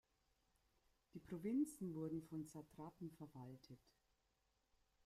Die Provinzen wurden von Satrapen verwaltet.